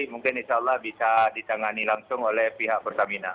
mungkin insya allah bisa ditangani langsung oleh pihak pertamina